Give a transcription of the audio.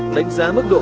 đánh giá mức độ